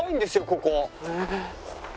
ここ。